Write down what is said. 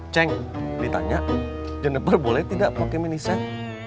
ceng ditanya jendeper boleh tidak pakai minisan